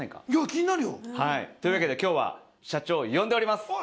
いや気になるよ。というわけで今日は社長呼んでおります。